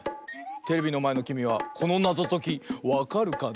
テレビのまえのきみはこのなぞときわかるかな？